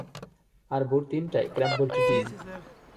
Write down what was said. আর ভোর তিনটায় স্ক্র্যাম্বলড ডিম।